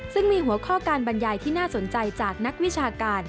ซึ่งมีหัวข้อการบรรยายที่น่าสนใจจากนักวิชาการ